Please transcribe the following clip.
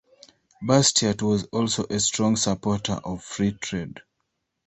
Bastiat was also a strong supporter of free trade.